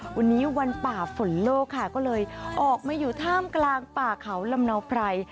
วันนี้วันป่าฝนโลกค่ะก็เลยออกมาอยู่ท่ามกลางป่าเขาลำเนาไพร